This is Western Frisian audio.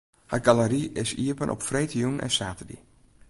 Har galery is iepen op freedtejûn en saterdei.